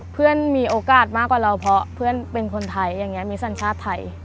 เพื่อนมีโอกาสมากกว่าเราเพราะเพื่อนเป็นคนไทยมีสัญชาติไทย